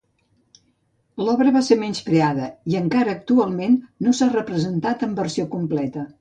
L'obra va ser menyspreada i encara, actualment, no s'ha representat en versió completa.